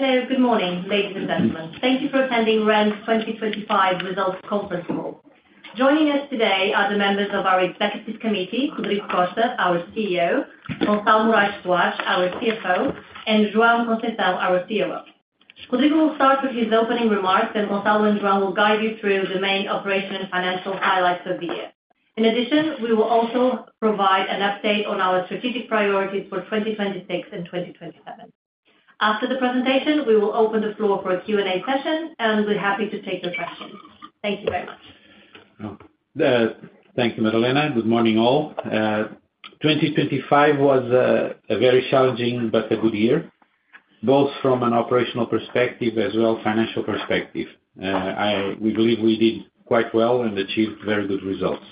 Hello. Good morning, ladies and gentlemen. Thank you for attending REN's 2025 results conference call. Joining us today are the members of our executive committee, Rodrigo Costa, our CEO, Gonçalo Morais Soares, our CFO, and João Conceição, our COO. Rodrigo will start with his opening remarks, then Gonçalo and João will guide you through the main operational and financial highlights of the year. In addition, we will also provide an update on our strategic priorities for 2026 and 2027. After the presentation, we will open the floor for a Q&A session, and we're happy to take your questions. Thank you very much. Thank you, Madalena. Good morning, all. 2025 was a very challenging but a good year, both from an operational perspective as well financial perspective. We believe we did quite well and achieved very good results.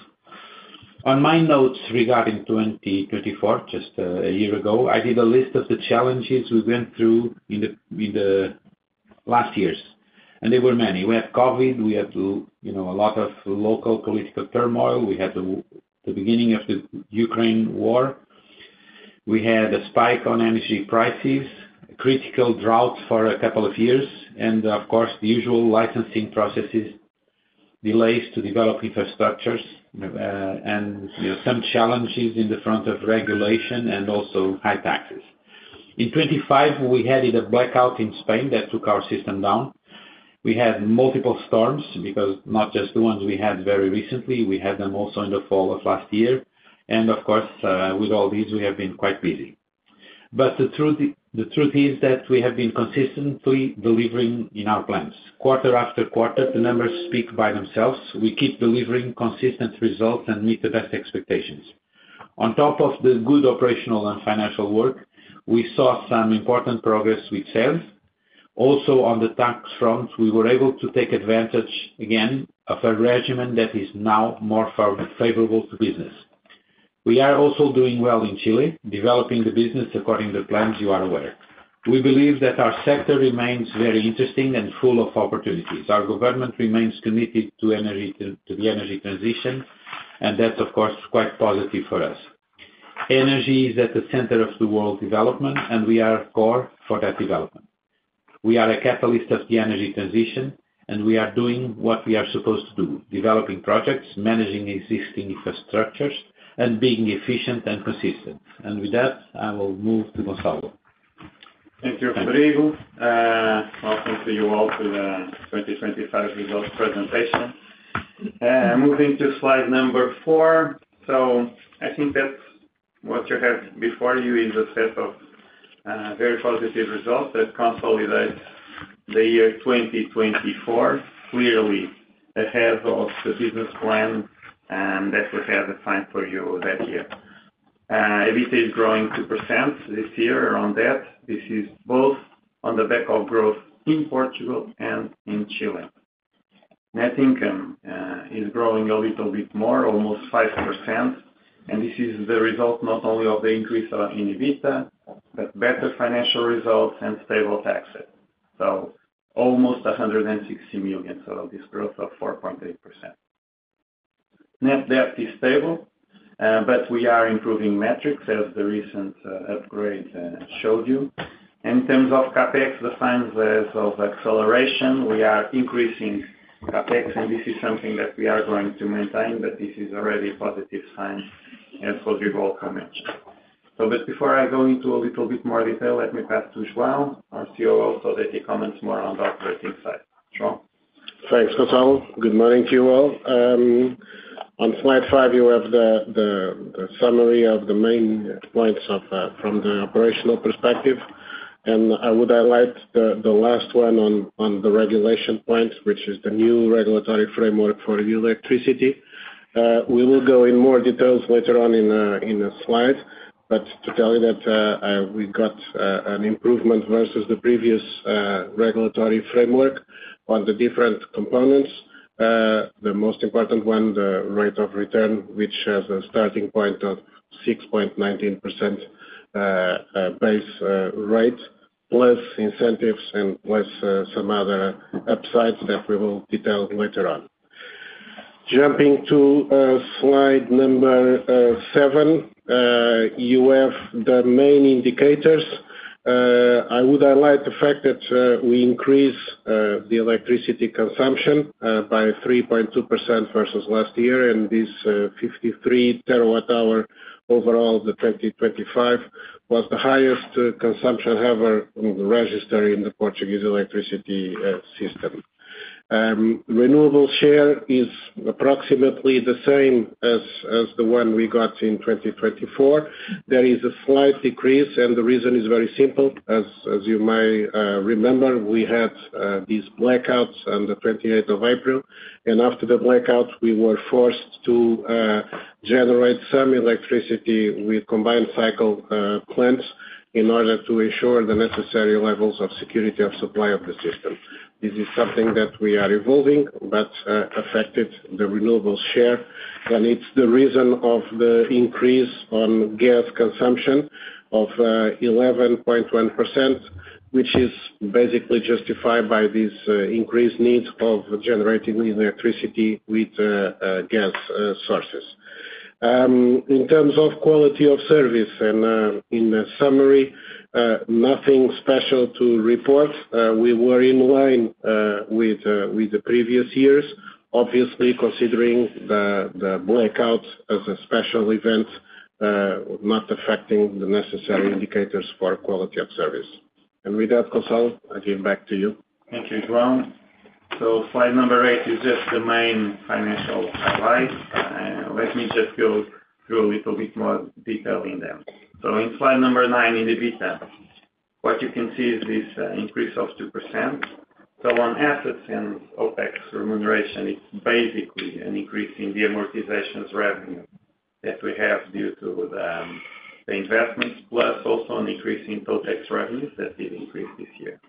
On my notes regarding 2024, just a year ago, I did a list of the challenges we went through in the last years, and they were many. We had COVID, we had, you know, a lot of local political turmoil. We had the beginning of the Ukraine war. We had a spike on energy prices, critical drought for a couple of years, and of course, the usual licensing processes delays to develop infrastructures, and some challenges in the front of regulation and also high taxes. In 2025, we had a blackout in Spain that took our system down. We had multiple storms because not just the ones we had very recently, we had them also in the fall of last year. Of course, with all these we have been quite busy. The truth is that we have been consistently delivering in our plans. Quarter after quarter, the numbers speak by themselves. We keep delivering consistent results and meet the best expectations. On top of the good operational and financial work, we saw some important progress with CESE. Also, on the tax front, we were able to take advantage again of a regime that is now more favorable to business. We are also doing well in Chile, developing the business according to plans you are aware. We believe that our sector remains very interesting and full of opportunities. Our government remains committed to the energy transition, and that of course is quite positive for us. Energy is at the center of the world development, and we are core for that development. We are a catalyst of the energy transition, and we are doing what we are supposed to do, developing projects, managing existing infrastructures, and being efficient and consistent. With that, I will move to Gonçalo. Thank you, Rodrigo. Welcome to you all to the 2025 results presentation. Moving to slide number four. I think that what you have before you is a set of very positive results that consolidates the year 2024 clearly ahead of the business plan, and that we have assigned for you that year. EBITDA is growing 2% this year. Around that, this is both on the back of growth in Portugal and in Chile. Net income is growing a little bit more, almost 5%. This is the result not only of the increase in EBITDA, but better financial results and stable taxes. Almost 160 million out of this growth of 4.8%. Net debt is stable, but we are improving metrics as the recent upgrade showed you. In terms of CapEx, the signs of acceleration, we are increasing CapEx, and this is something that we are going to maintain, but this is already a positive sign, as Rodrigo commented. Before I go into a little bit more detail, let me pass to João, our COO, so that he comments more on the operating side. João. Thanks, Gonçalo. Good morning to you all. On slide five, you have the summary of the main points from the operational perspective, and I would highlight the last one on the regulation point, which is the new regulatory framework for electricity. We will go in more details later on in a slide. To tell you that we got an improvement versus the previous regulatory framework on the different components. The most important one, the rate of return, which has a starting point of 6.19%, base rate, plus incentives and plus some other upsides that we will detail later on. Jumping to slide number seven, you have the main indicators. I would highlight the fact that we increased the electricity consumption by 3.2% versus last year. This 53 terawatt-hours overall, 2025 was the highest consumption ever registered in the Portuguese electricity system. Renewable share is approximately the same as the one we got in 2024. There is a slight decrease, and the reason is very simple. As you may remember, we had these blackouts on the 28th of April, and after the blackout, we were forced to generate some electricity with combined cycle plants in order to ensure the necessary levels of security of supply of the system. This is something that we are evolving but affected the renewable share. It's the reason of the increase on gas consumption of 11.1%, which is basically justified by these increased needs of generating electricity with gas sources. In terms of quality of service and, in summary, nothing special to report. We were in line with the previous years, obviously considering the blackouts as a special event not affecting the necessary indicators for quality of service. With that, Gonçalo, I give back to you. Thank you, João. Slide number eight is just the main financial slides. Let me just go through a little bit more detail in them. In slide number nine, in the EBITDA, what you can see is this increase of 2%. On assets and OpEx remuneration, it's basically an increase in the amortization's revenue that we have due to the investments, plus also an increase in Totex revenues that did increase this year.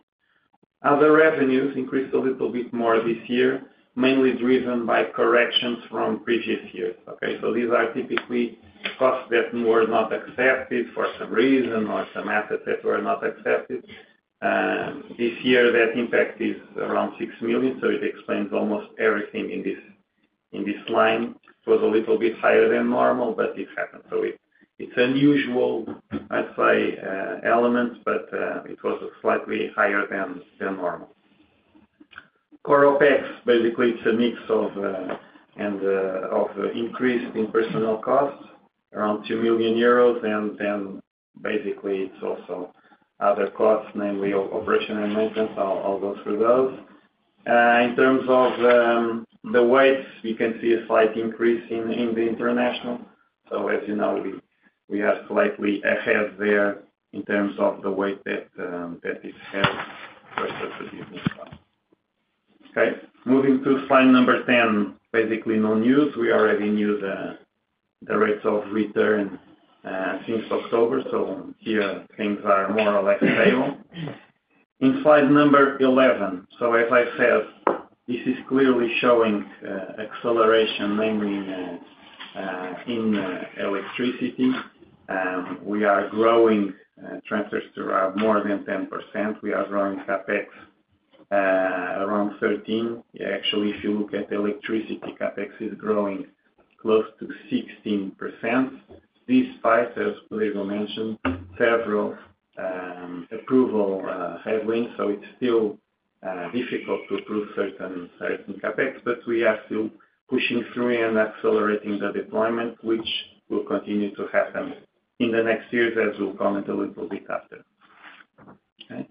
Other revenues increased a little bit more this year, mainly driven by corrections from previous years. Okay. These are typically costs that were not accepted for some reason or some assets that were not accepted. This year, that impact is around 6 million, so it explains almost everything in this line. It was a little bit higher than normal, but it happened. It's unusual, I'd say, element, but it was slightly higher than normal. Core OpEx, basically it's a mix of increase in personnel costs, around 2 million euros, and then basically it's also other costs, namely operation and maintenance. I'll go through those. In terms of the weights, you can see a slight increase in the international. As you know, we are slightly ahead there in terms of the weight that is held versus the business side. Okay. Moving to slide number 10, basically no news. We already knew the rates of return since October, here things are more or less stable. In slide number 11, as I said, this is clearly showing acceleration mainly in electricity. We are growing transfers to around more than 10%. We are growing CapEx around 13%. Actually, if you look at the electricity, CapEx is growing close to 16%. These spikes, as Rodrigo Costa mentioned, several approval headwinds, so it's still difficult to approve certain CapEx, but we are still pushing through and accelerating the deployment, which will continue to happen in the next years, as we'll comment a little bit after. Okay.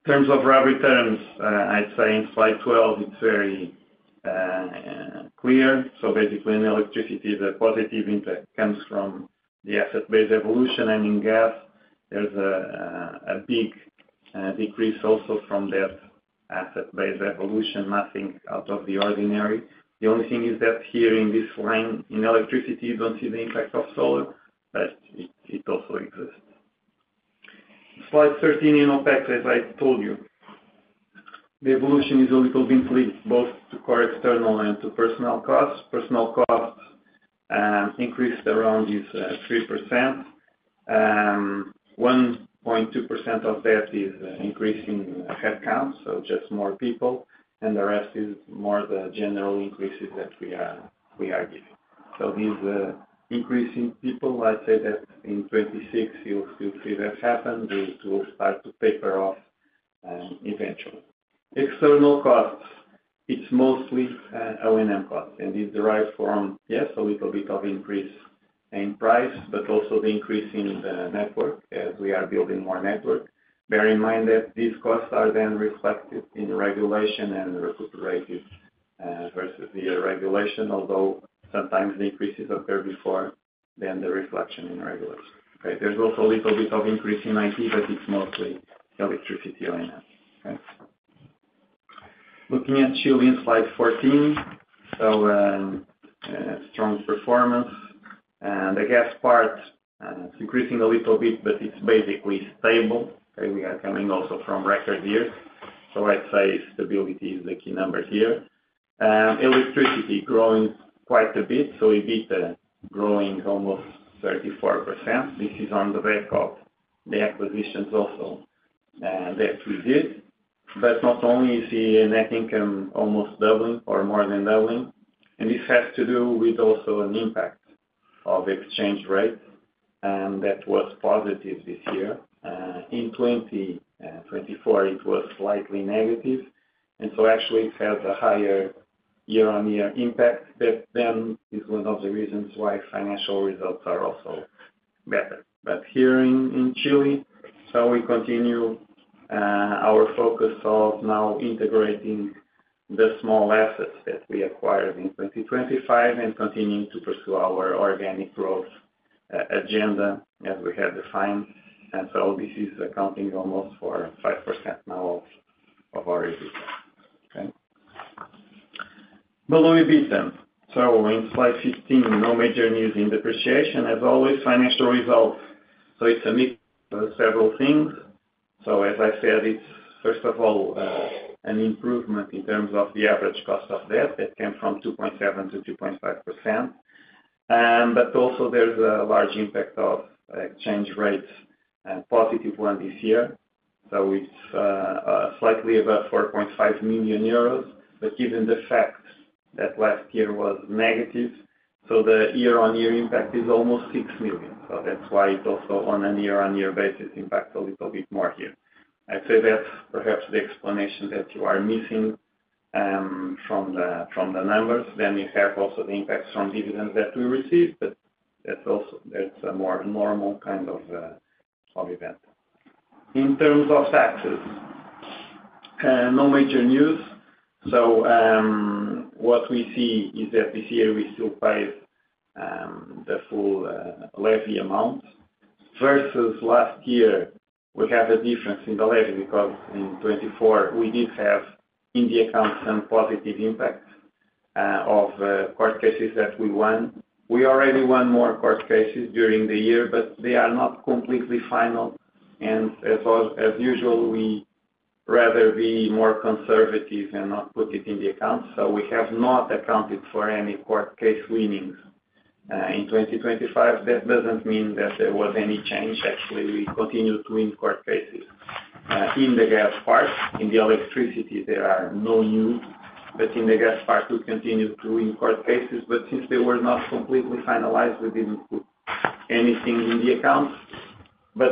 In terms of raw returns, I'd say in slide 12 it's very clear. Basically in electricity, the positive impact comes from the asset-based evolution, and in gas, there's a big decrease also from that asset-based evolution, nothing out of the ordinary. The only thing is that here in this line in electricity, you don't see the impact of solar, but it also exists. Slide 13, in OpEx, as I told you, the evolution is a little bit linked both to core external and to personnel costs. Personnel costs increased around 3%. 1.2% of that is increase in headcount, so just more people, and the rest is more the general increases that we are giving. This increase in people, I'd say that in 2026 you'll see that happen. We'll start to taper off, eventually. External costs, it's mostly O&M costs, and this derives from, yes, a little bit of increase in price, but also the increase in the network as we are building more network. Bear in mind that these costs are then reflected in the regulation and recuperated versus the regulation, although sometimes the increases occur before then the reflection in regulation. Okay? There's also a little bit of increase in IT, but it's mostly electricity O&M. Okay. Looking at Chile in slide 14, strong performance. The gas part, it's decreasing a little bit, but it's basically stable, and we are coming also from record year. I'd say stability is the key number here. Electricity growing quite a bit, so EBITDA growing almost 34%. This is on the back of the acquisitions also, that we did. Not only is the net income almost doubling or more than doubling, and this has to do with also an impact of exchange rates, that was positive this year. In 2024, it was slightly negative. Actually it has a higher year-on-year impact that then is one of the reasons why financial results are also better. Here in Chile, we continue our focus of now integrating the small assets that we acquired in 2025 and continuing to pursue our organic growth agenda as we have defined. This is accounting almost for 5% now of our EBITDA. Okay. Below EBITDA, in slide 15, no major news in depreciation. As always, financial results, it's a mix of several things. As I said, it's first of all, an improvement in terms of the average cost of debt that came from 2.7%-2.5%. But also there's a large impact of exchange rates, a +1 this year. It's slightly above 4.5 million euros. Given the fact that last year was negative, the year-on-year impact is almost 6 million. That's why it also on a year-on-year basis impacts a little bit more here. I'd say that's perhaps the explanation that you are missing from the numbers. You have also the impacts from dividends that we received, but that's also a more normal kind of event. In terms of taxes, no major news. What we see is that this year we still pay the full levy amount versus last year, we have a difference in the levy because in 2024 we did have in the accounts some positive impact of court cases that we won. We already won more court cases during the year, but they are not completely final, and as usual, we rather be more conservative and not put it in the account. We have not accounted for any court case winnings in 2025. That doesn't mean that there was any change. Actually, we continued to win court cases in the gas part. In the electricity, there are no new. In the gas part, we continued to win court cases, but since they were not completely finalized, we didn't put anything in the accounts.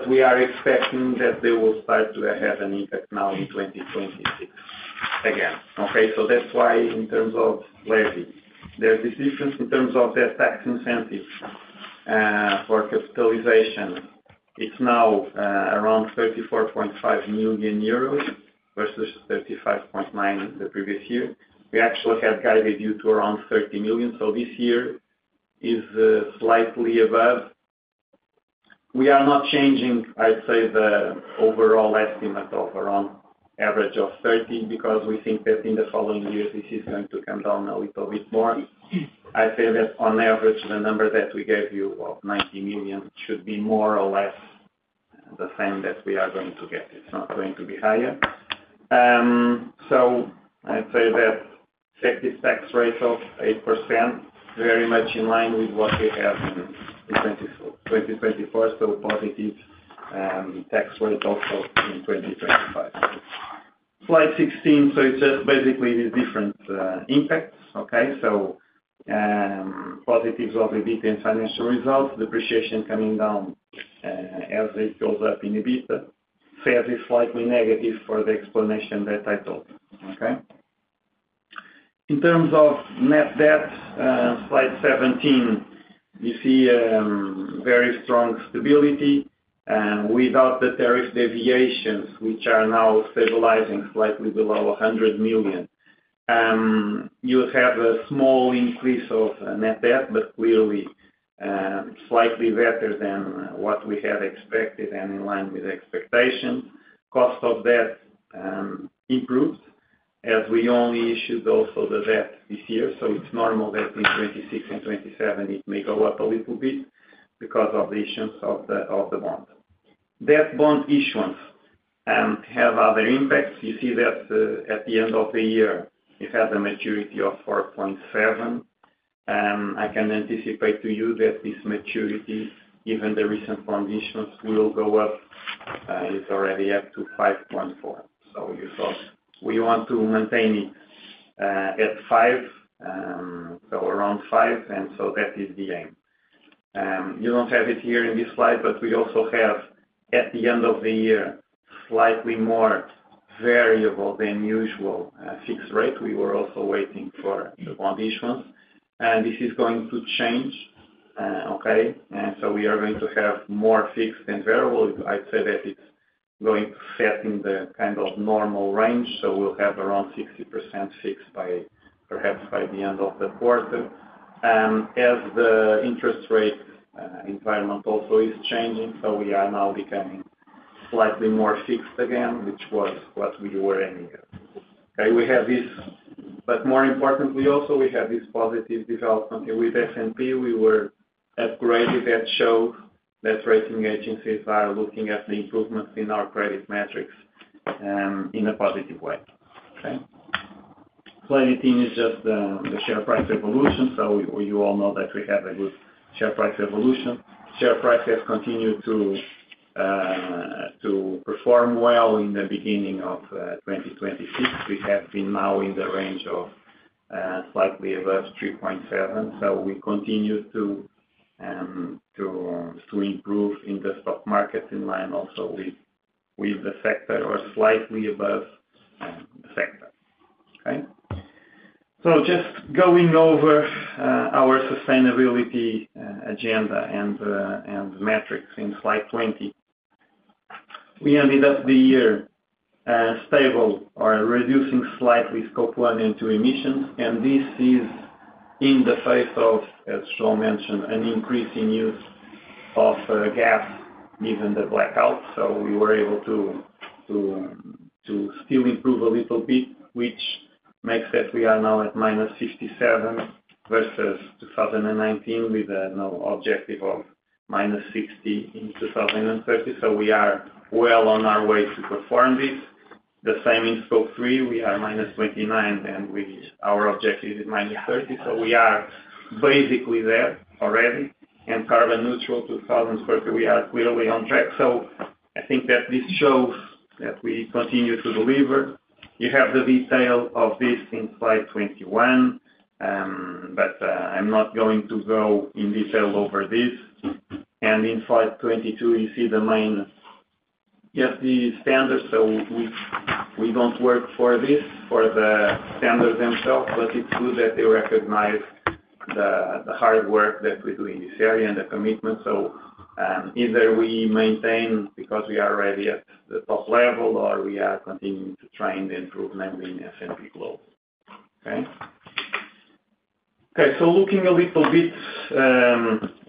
We are expecting that they will start to have an impact now in 2026 again. That's why in terms of levy, there's a difference in terms of the tax incentive for capitalization. It's now around 34.5 million euros versus 35.9 million the previous year. We actually had guided you to around 30 million, so this year is slightly above. We are not changing, I'd say, the overall estimate of around average of 30 because we think that in the following years this is going to come down a little bit more. I'd say that on average, the number that we gave you of 90 million should be more or less the same that we are going to get. It's not going to be higher. I'd say that effective tax rate of 8%, very much in line with what we had in 2024, positive tax rate also in 2025. Slide 16, it's just basically the different impacts, okay? Positives of EBIT and financial results, depreciation coming down, as it goes up in EBITDA. Sales is slightly negative for the explanation that I told, okay? In terms of net debt, slide 17, you see, very strong stability. Without the tariff deviations, which are now stabilizing slightly below 100 million, you have a small increase of net debt, but really, slightly better than what we had expected and in line with expectation. Cost of debt improves as we only issued also the debt this year. It's normal that in 2026 and 2027 it may go up a little bit because of the issuance of the bond. Debt bond issuance have other impacts. You see that, at the end of the year, it has a maturity of 4.7. I can anticipate to you that this maturity, given the recent bond issuance will go up. It's already up to 5.4. You saw we want to maintain it at five, so around five, that is the aim. You don't have it here in this slide, but we also have, at the end of the year, slightly more variable than usual fixed rate. We were also waiting for the bond issuance, and this is going to change, okay? We are going to have more fixed and variable. I'd say that it's going to set in the kind of normal range. We'll have around 60% fixed by perhaps the end of the quarter. As the interest rate environment also is changing, so we are now becoming slightly more fixed again, which was what we were aiming at. We have this. More importantly, also, we have this positive development with S&P. We were upgraded. That shows that rating agencies are looking at the improvements in our credit metrics in a positive way. Okay? Slide 18 is just the share price evolution. You all know that we have a good share price evolution. Share price has continued to perform well in the beginning of 2026. We have been now in the range of slightly above 3.7. We continue to improve in the stock market in line also with the sector or slightly above the sector. Okay? Just going over our sustainability agenda and metrics in slide 20. We ended up the year stable or reducing slightly scope one and two emissions, and this is in the face of, as João mentioned, an increase in use of gas given the blackouts. We were able to still improve a little bit, which means that we are now at -57% versus 2019 with new objective of -60% in 2030. We are well on our way to perform this. The same in Scope 3, we are -29%, and our objective is -30%. We are basically there already. Carbon neutral 2030, we are clearly on track. I think that this shows that we continue to deliver. You have the detail of this in slide 21. I'm not going to go in detail over this. In slide 22, you see the main standards. We don't work for this, for the standards themselves, but it's true that they recognize the hard work that we do in this area and the commitment. Either we maintain because we are already at the top level, or we are continuing to try and improve mainly in S&P Global, okay? Okay, looking a little bit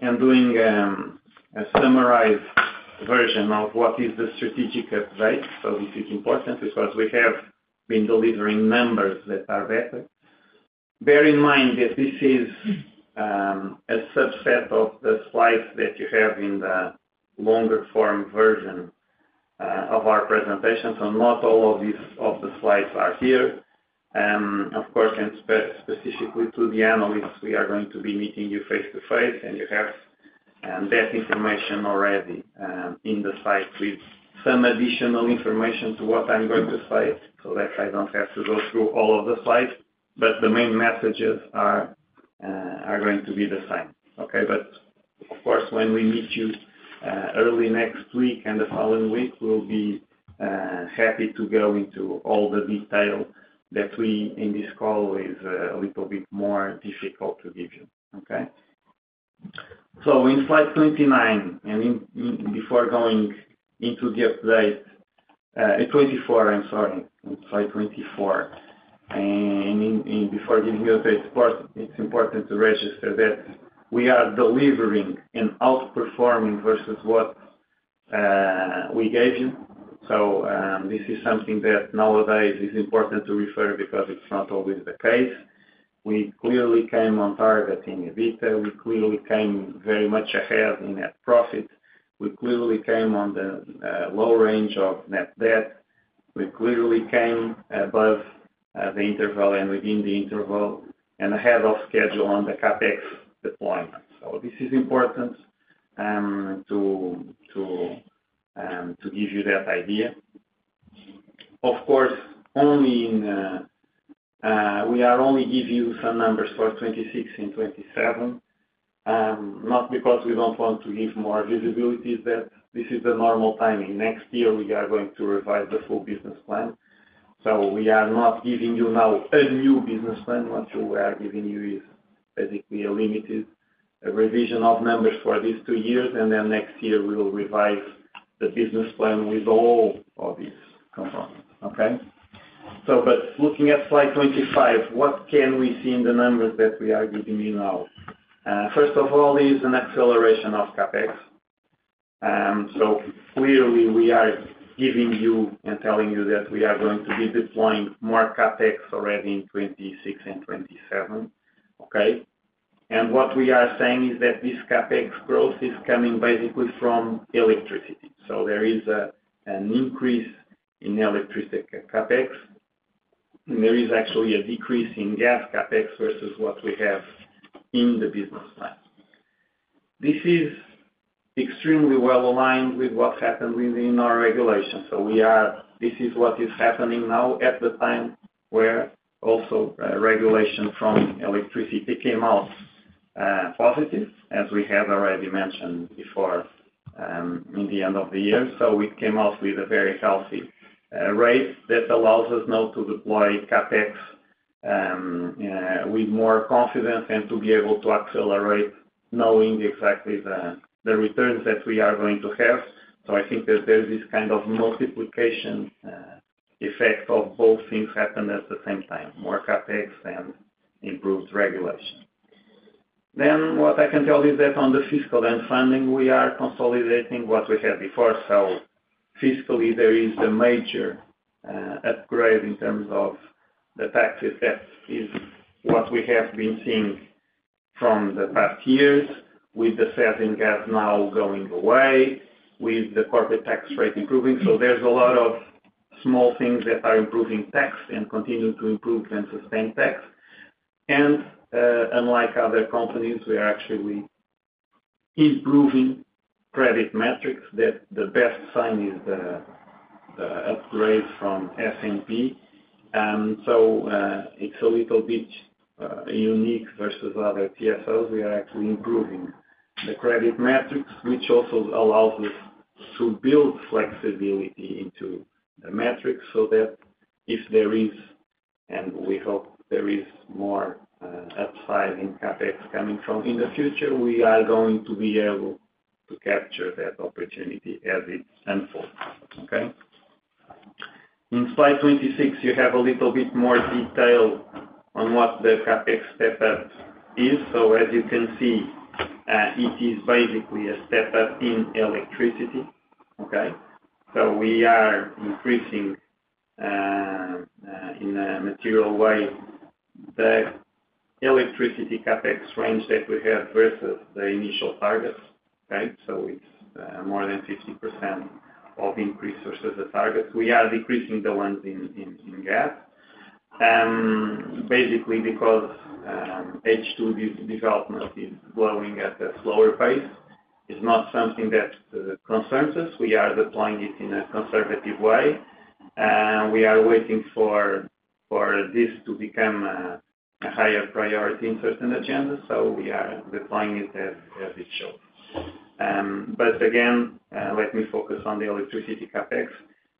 and doing a summarized version of what is the strategic update. This is important because we have been delivering numbers that are better. Bear in mind that this is a subset of the slides that you have in the longer form version of our presentation. Not all of these slides are here. Of course, specifically to the analysts, we are going to be meeting you face-to-face, and you have that information already on the site with some additional information to what I'm going to say so that I don't have to go through all of the slides, but the main messages are going to be the same. Okay? But of course, when we meet you early next week and the following week, we'll be happy to go into all the detail that in this call is a little bit more difficult to give you, okay? So in slide 24. Before going into the update, before giving you the support, it's important to register that we are delivering and outperforming versus what we gave you. This is something that nowadays is important to refer because it's not always the case. We clearly came on target in EBITDA. We clearly came very much ahead in net profit. We clearly came on the low range of net debt. We clearly came above the interval and within the interval and ahead of schedule on the CapEx deployment. This is important to give you that idea. Of course, only now we are only giving you some numbers for 2026 and 2027, not because we don't want to give more visibility, that this is the normal timing. Next year, we are going to revise the full business plan. We are not giving you now a new business plan. What we are giving you is basically a limited revision of numbers for these two years, and then next year we will revise the business plan with all of these components, okay? Looking at slide 25, what can we see in the numbers that we are giving you now? First of all, is an acceleration of CapEx. Clearly we are giving you and telling you that we are going to be deploying more CapEx already in 2026 and 2027, okay? What we are saying is that this CapEx growth is coming basically from electricity. There is an increase in electricity CapEx, and there is actually a decrease in gas CapEx versus what we have in the business plan. This is extremely well aligned with what happened within our regulation. This is what is happening now at the time where also regulation from electricity came out, positive, as we have already mentioned before, in the end of the year. We came out with a very healthy rate that allows us now to deploy CapEx with more confidence and to be able to accelerate knowing exactly the returns that we are going to have. I think that there's this kind of multiplication effect of both things happen at the same time, more CapEx and improved regulation. What I can tell you is that on the fiscal and funding, we are consolidating what we had before. Fiscally, there is a major upgrade in terms of the taxes. That is what we have been seeing from the past years with the sales and gas now going away, with the corporate tax rate improving. There's a lot of small things that are improving tax and continue to improve and sustain tax. Unlike other companies, we are actually improving credit metrics that the best sign is the upgrade from S&P. It's a little bit unique versus other TSOs. We are actually improving the credit metrics, which also allows us to build flexibility into the metrics so that if there is, and we hope there is more, upside in CapEx coming from in the future, we are going to be able to capture that opportunity as it unfolds, okay? In slide 26, you have a little bit more detail on what the CapEx step-up is. As you can see, it is basically a step-up in electricity, okay? We are increasing, in a material way, the electricity CapEx range that we have versus the initial targets, right? It's more than 50% of increase versus the target. We are decreasing the ones in gas basically because H2 development is growing at a slower pace. It's not something that concerns us. We are deploying it in a conservative way, and we are waiting for this to become a higher priority in certain agendas, so we are deploying it as it should. Again, let me focus on the electricity CapEx.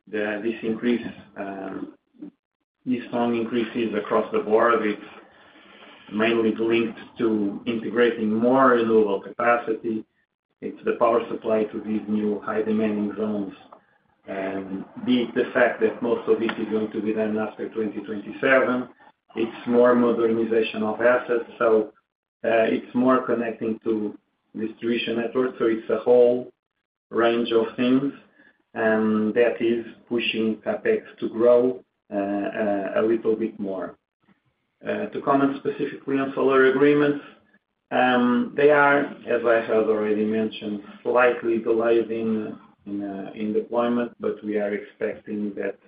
This increase, these strong increases across the board, it's mainly linked to integrating more renewable capacity. It's the power supply to these new high-demanding zones, and the fact that most of this is going to be done after 2027. It's more modernization of assets. It's more connecting to distribution network, so it's a whole range of things, and that is pushing CapEx to grow a little bit more. To comment specifically on solar agreements, they are, as I have already mentioned, slightly delayed in deployment, but we are expecting that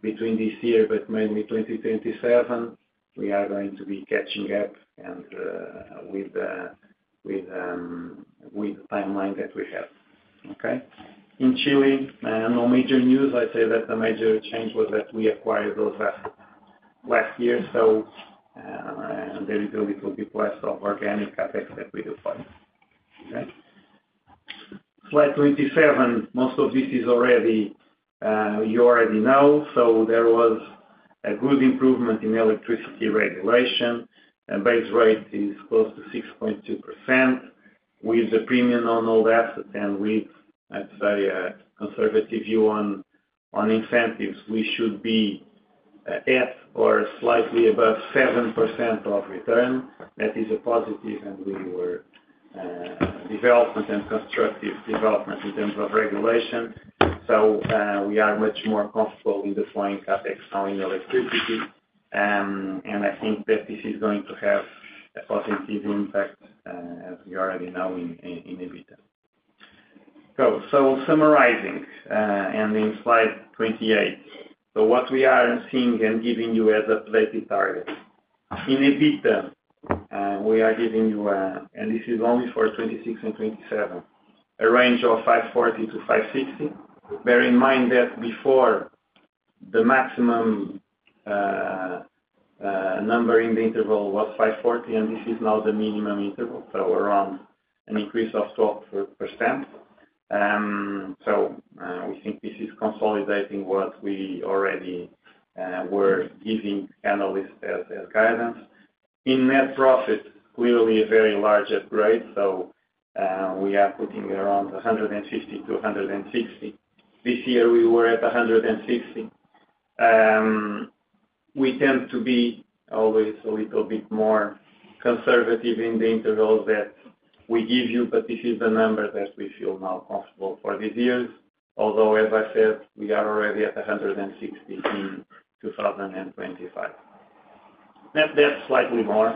between this year, but mainly 2027, we are going to be catching up and with the timeline that we have. Okay? In Chile, no major news. I'd say that the major change was that we acquired those last year, so there is a little bit less of organic CapEx that we deploy. Okay? Slide 27, most of this is already you already know. There was a good improvement in electricity regulation, and base rate is close to 6.2% with a premium on all assets, and with a very conservative view on incentives. We should be at or slightly above 7% of return. That is a positive, and we had constructive development in terms of regulation. We are much more comfortable in deploying CapEx now in electricity, and I think that this is going to have a positive impact, as we already know in EBITDA. Summarizing, and in slide 28. What we are seeing and giving you as updated targets. In EBITDA, we are giving you, and this is only for 2026 and 2027, a range of 540-560. Bear in mind that before the maximum number in the interval was 540, and this is now the minimum interval, so around an increase of 12%. We think this is consolidating what we already were giving analysts as guidance. In net profit, clearly a very large upgrade. We are putting it around 150-160. This year, we were at 160. We tend to be always a little bit more conservative in the intervals that we give you, but this is the number that we feel now comfortable for these years. Although, as I said, we are already at 160 in 2025. Net debt slightly more.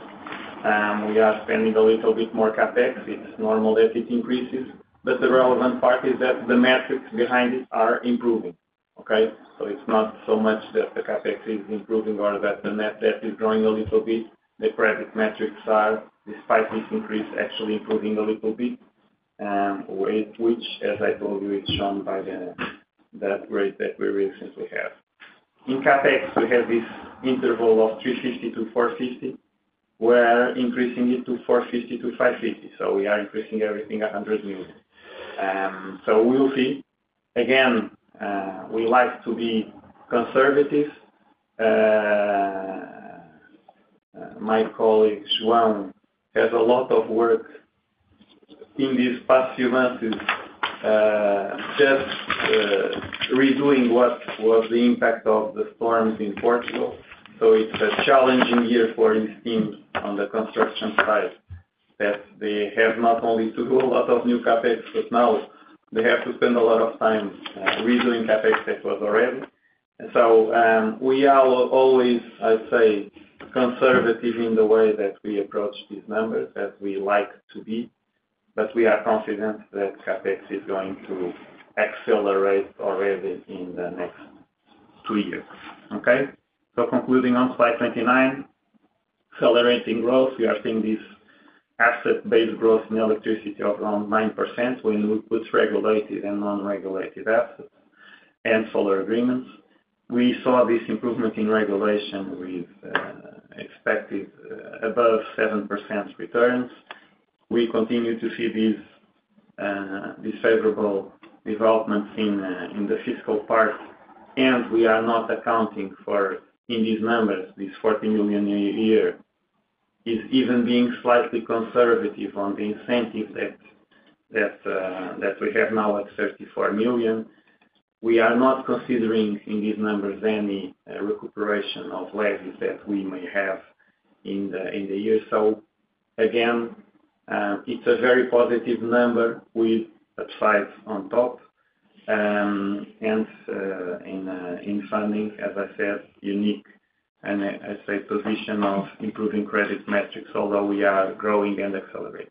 We are spending a little bit more CapEx. It's normal that it increases, but the relevant part is that the metrics behind it are improving, okay? It's not so much that the CapEx is improving or that the net debt is growing a little bit. The credit metrics are, despite this increase, actually improving a little bit, which, as I told you, is shown by the rate that we recently have. In CapEx, we have this interval of 350 million-450 million. We're increasing it to 450 million-550 million, so we are increasing everything 100 million. We'll see. Again, we like to be conservative. My colleague, João Conceição, has a lot of work in these past few months, just, redoing what was the impact of the storms in Portugal. It's a challenging year for his team on the construction side, that they have not only to do a lot of new CapEx, but now they have to spend a lot of time, redoing CapEx that was already. We are always, I'd say, conservative in the way that we approach these numbers, as we like to be. We are confident that CapEx is going to accelerate already in the next two years. Okay. Concluding on slide 29, accelerating growth. We are seeing this asset-based growth in electricity of around 9% when we put regulated and non-regulated assets and solar agreements. We saw this improvement in regulation with expected above 7% returns. We continue to see these favorable developments in the fiscal part, and we are not accounting for, in these numbers, this 40 million a year, is even being slightly conservative on the incentive that we have now at 34 million. We are not considering in these numbers any recuperation of lags that we may have in the year. Again, it's a very positive number with a five on top. Hence, in funding, as I said, in a unique position of improving credit metrics, although we are growing and accelerating.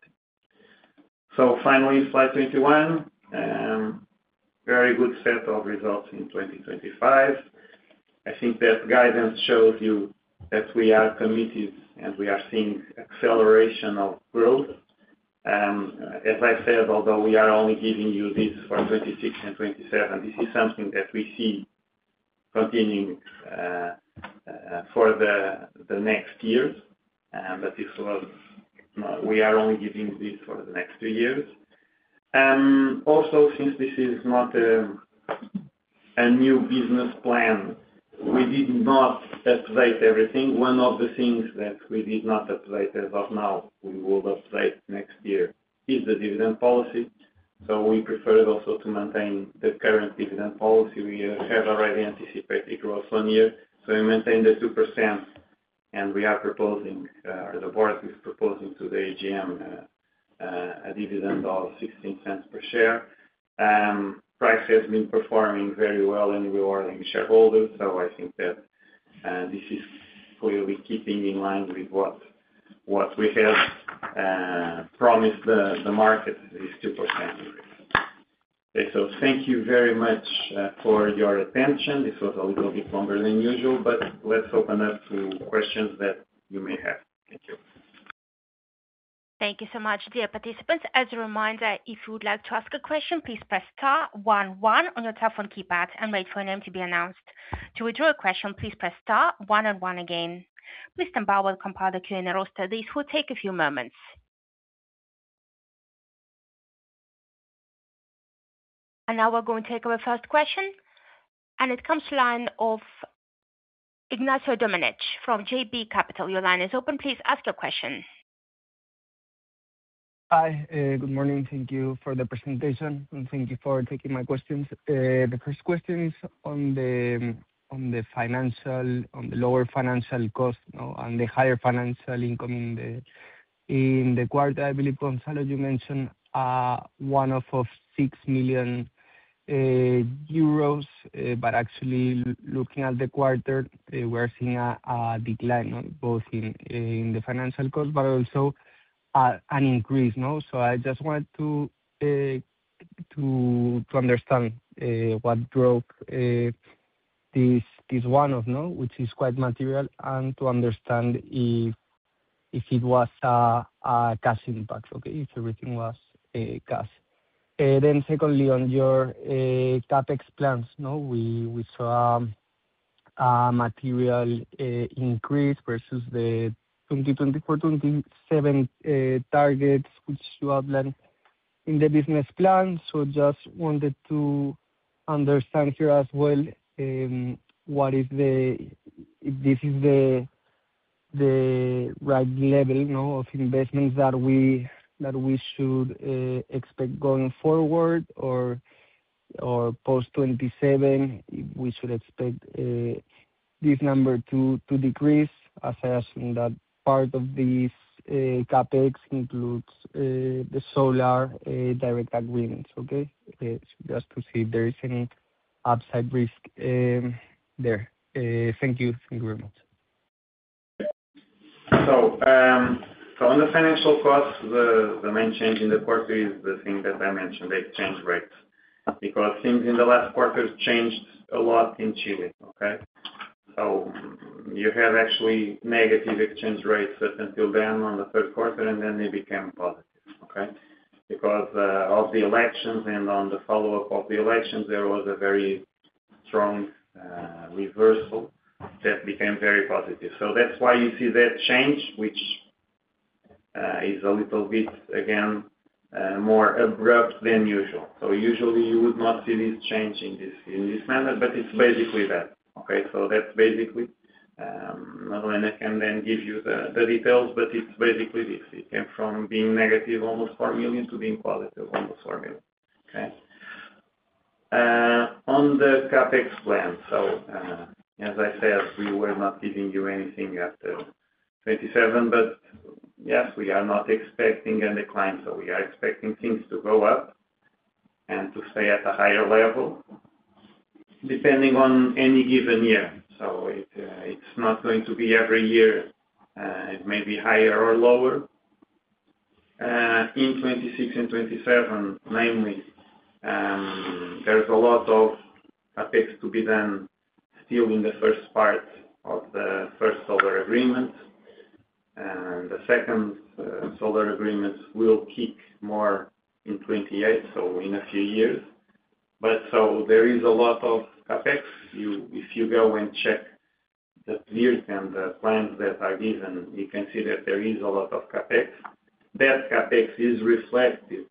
Finally, slide 21. Very good set of results in 2025. I think that guidance shows you that we are committed, and we are seeing acceleration of growth. As I said, although we are only giving you this for 2026 and 2027, this is something that we see continuing for the next years. We are only giving this for the next two years. Also, since this is not a new business plan, we did not update everything. One of the things that we did not update as of now, we will update next year is the dividend policy. We preferred also to maintain the current dividend policy. We have already anticipated growth one year, so we maintained the 2%, and we are proposing, the board is proposing to the AGM a dividend of 0.16 per share. Price has been performing very well and rewarding shareholders. I think that this is clearly keeping in line with what we have promised the market, a 2% increase. Okay. Thank you very much for your attention. This was a little bit longer than usual, but let's open up to questions that you may have. Thank you. Thank you so much, dear participants. As a reminder, if you would like to ask a question, please press star one one on your telephone keypad and wait for your name to be announced. To withdraw a question, please press star one and one again. Please stand by while we compile the Q&A roster. This will take a few moments. Now we're going to take our first question, and it comes from the line of Ignacio Doménech from JB Capital Markets. Your line is open. Please ask your question. Hi. Good morning. Thank you for the presentation, and thank you for taking my questions. The first question is on the lower financial cost, you know, and the higher financial income in the quarter. I believe, Gonzalo, you mentioned a one-off of EUR 6 million, but actually looking at the quarter, we're seeing a decline in the financial cost but also an increase. No? I just wanted to understand what drove this one-off, which is quite material, and to understand if it was a cash impact, okay, if everything was cash. Secondly, on your CapEx plans, you know, we saw a material increase versus the 2024-2027 targets which you outlined in the business plan. Just wanted to understand here as well, what is the... If this is the right level, you know, of investments that we should expect going forward or post 2027, we should expect this number to decrease, assuming that part of this CapEx includes the solar direct agreements. Just to see if there is any upside risk there. Thank you. Thank you very much. on the financial costs, the main change in the quarter is the thing that I mentioned, the exchange rates. Because things in the last quarter changed a lot in Chile, okay? You have actually negative exchange rates until then on the third quarter, and then they became positive, okay? Because of the elections and on the follow-up of the elections, there was a very strong reversal that became very positive. That's why you see that change, which is a little bit, again, more abrupt than usual. Usually you would not see this change in this manner, but it's basically that, okay? That's basically, Madalena can then give you the details, but it's basically this. It came from being negative almost 4 million to being positive almost 4 million, okay? on the CapEx plan. As I said, we were not giving you anything after 2027, but yes, we are not expecting any decline. We are expecting things to go up and to stay at a higher level depending on any given year. It's not going to be every year. It may be higher or lower. In 2026 and 2027 mainly, there's a lot of CapEx to be done still in the first part of the first solar agreement, and the second solar agreements will kick more in 2028, so in a few years. There is a lot of CapEx. If you go and check the years and the plans that are given, you can see that there is a lot of CapEx. That CapEx is reflected.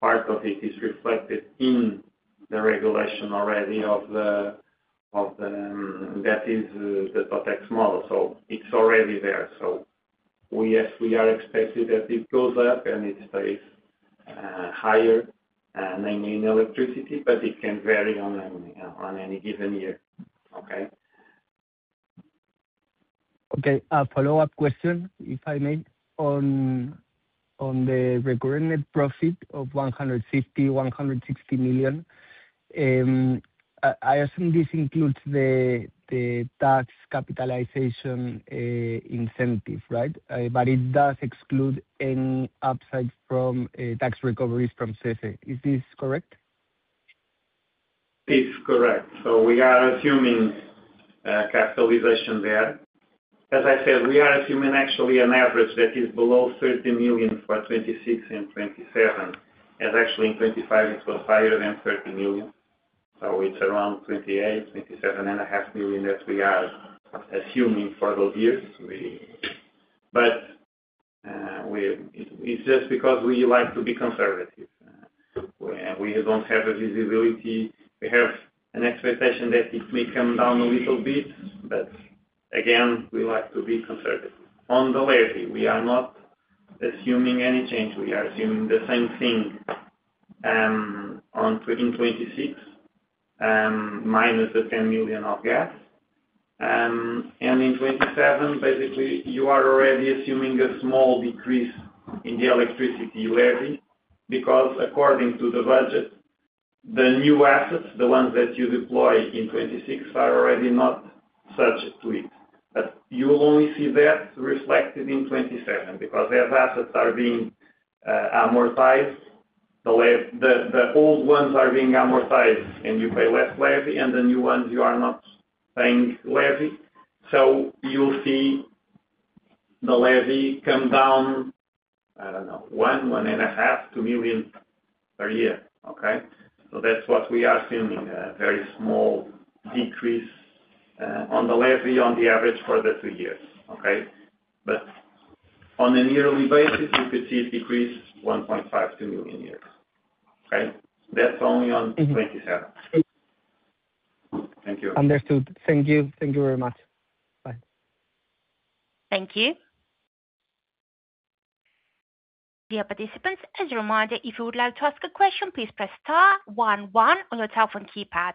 Part of it is reflected in the regulation already. That is the Totex model. It's already there. Yes, we are expecting that it goes up, and it stays higher, mainly in electricity, but it can vary on any given year, okay? Okay. A follow-up question, if I may. On the recurrent net profit of 150 million-160 million, I assume this includes the tax capitalization incentive, right? It does exclude any upside from tax recoveries from CESE. Is this correct? It's correct. We are assuming capitalization there. As I said, we are assuming actually an average that is below 30 million for 2026 and 2027, as actually in 2025 it was higher than 30 million. It's around 28 million, 27.5 million that we are assuming for those years. It's just because we like to be conservative. We don't have the visibility. We have an expectation that it may come down a little bit, but again, we like to be conservative. On the levy, we are not assuming any change. We are assuming the same thing in 2026 minus the 10 million of gas. In 2027, basically, you are already assuming a small decrease in the electricity levy because according to the budget, the new assets, the ones that you deploy in 2026 are already not subject to it. You will only see that reflected in 2027 because their assets are being amortized. The old ones are being amortized and you pay less levy, and the new ones you are not paying levy. You'll see the levy come down, I don't know, 1 million, EUR 1.5 million, 2 million per year. That's what we are assuming, a very small decrease on the levy on average for the two years. On a yearly basis, you could see it decrease 1.5 million-2 million a year. That's only on 2027. Mm-hmm. Thank you. Understood. Thank you. Thank you very much. Bye. Thank you. Dear participants, as a reminder, if you would like to ask a question, please press star one one on your telephone keypad.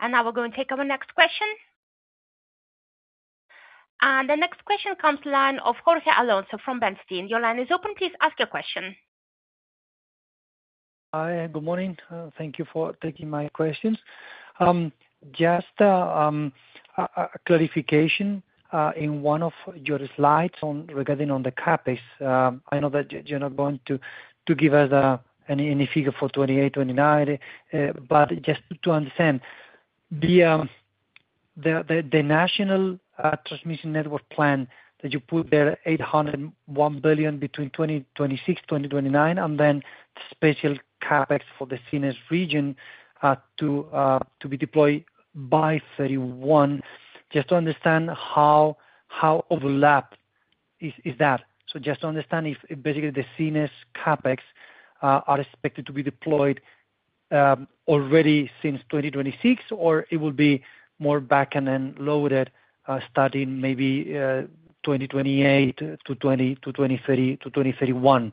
Now we're going to take our next question. The next question comes from the line of Jorge Alonso from Bernstein. Your line is open. Please ask your question. Hi. Good morning. Thank you for taking my questions. Just a clarification in one of your slides regarding the CapEx. I know that you're not going to give us any figure for 2028, 2029. Just to understand the national transmission network plan that you put there, 801 billion between 2026-2029, and then special CapEx for the Sines region to be deployed by 2031. Just to understand how that overlaps? Just to understand if basically the Sines CapEx are expected to be deployed already since 2026 or it will be more back-loaded starting maybe 2028 to 2030 to 2031.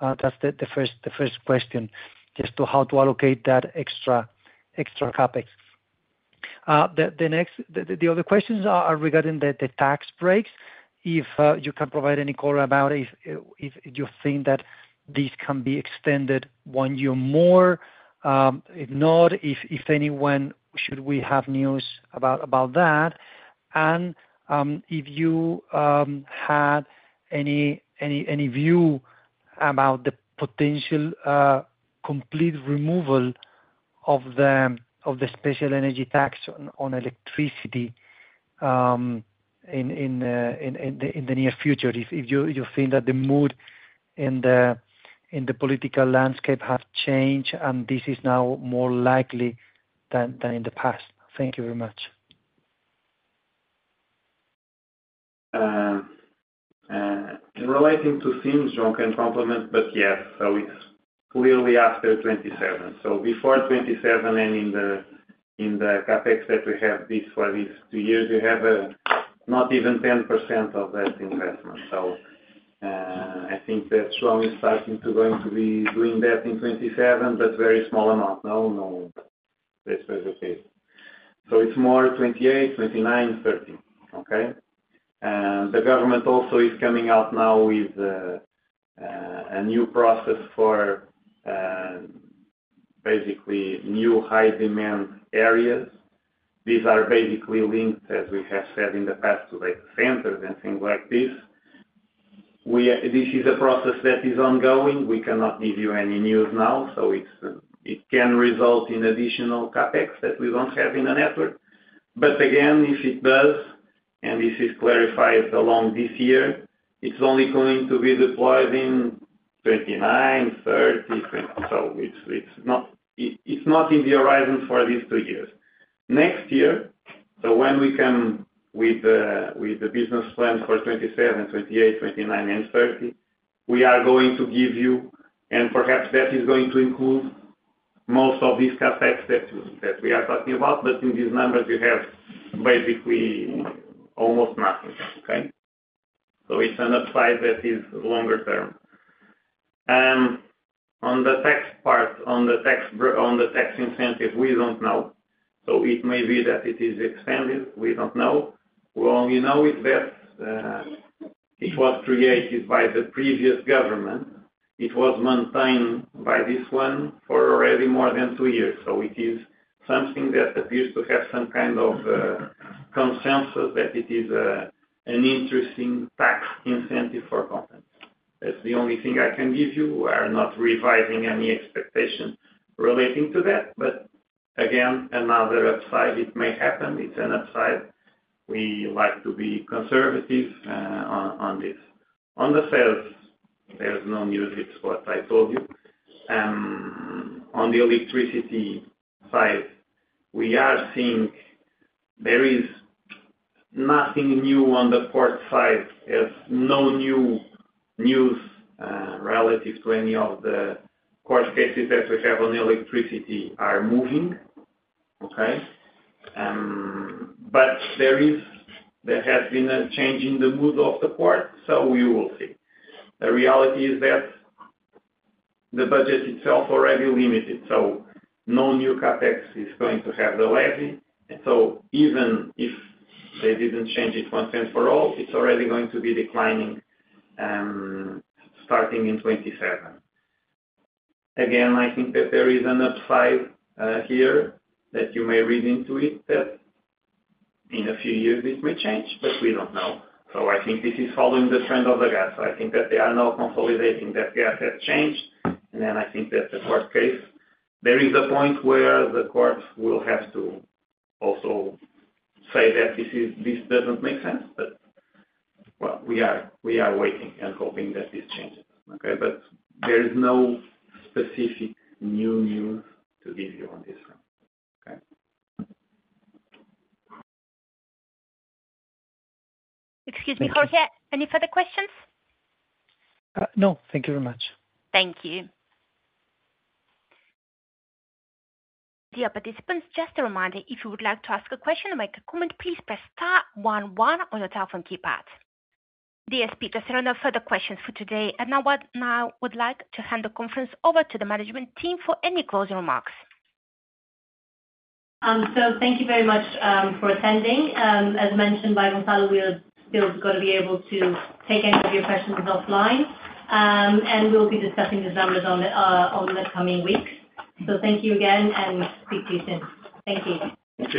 That's the first question. Just to how to allocate that extra CapEx. The next. The other questions are regarding the tax breaks. If you can provide any color about if you think that this can be extended one year more, if not, if we have any news about that. If you had any view about the potential complete removal of the special energy tax on electricity in the near future. If you think that the mood in the political landscape have changed and this is now more likely than in the past. Thank you very much. In relating to Sines, João can comment, but yes. It's clearly after 2027. Before 2027 and in the CapEx that we have this for these two years, we have not even 10% of that investment. I think that João is starting to going to be doing that in 2027, but very small amount. No. Mm-hmm. That's for the case. It's more 2028, 2029, 2030. Okay? The government also is coming out now with a new process for basically new high demand areas. These are basically links, as we have said in the past, to data centers and things like this. This is a process that is ongoing. We cannot give you any news now, so it can result in additional CapEx that we don't have in the network. But again, if it does, and this is clarified along this year, it's only going to be deployed in 2029, 2030, so it's not on the horizon for these two years. Next year, when we come with the business plan for 2027, 2028, 2029 and 2030, we are going to give you, and perhaps that is going to include most of these CapEx that we are talking about. But in these numbers you have basically almost nothing. Okay? It's an upside that is longer term. On the tax part, on the tax incentive, we don't know. It may be that it is expanded, we don't know. We only know is that, it was created by the previous government. It was maintained by this one for already more than two years. It is something that appears to have some kind of consensus that it is an interesting tax incentive for companies. That's the only thing I can give you. We are not revising any expectation relating to that. Again, another upside, it may happen, it's an upside. We like to be conservative on this. On the CESE, there's no news, it's what I told you. On the electricity side, we are seeing there is nothing new on the port side. There's no new news relative to any of the court cases that we have on the electricity are moving. Okay. There has been a change in the mood of the court, so we will see. The reality is that the budget itself already limited, so no new CapEx is going to have the levy. Even if they didn't change it once and for all, it's already going to be declining starting in 2027. Again, I think that there is an upside here that you may read into it, that in a few years this may change, but we don't know. I think this is following the trend of the gas. I think that they are now consolidating that gas has changed, and then I think that the court case, there is a point where the court will have to also say that this doesn't make sense. Well, we are waiting and hoping that this changes, okay? There is no specific new news to give you on this one, okay? Excuse me, Jorge. Any further questions? No. Thank you very much. Thank you. Dear participants, just a reminder, if you would like to ask a question or make a comment, please press star one one on your telephone keypad. Dear speakers, there are no further questions for today. Now we'd like to hand the conference over to the management team for any closing remarks. Thank you very much for attending. As mentioned by Gonçalo, we are still gonna be able to take any of your questions offline, and we'll be discussing these numbers in the coming weeks. Thank you again, and speak to you soon. Thank you.